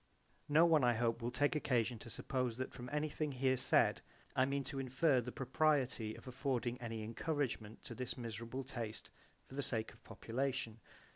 No one I hope will take occasion to suppose that from any thing here said I mean to infer the propriety of affording any encouragement to this miserable taste for the sake of population.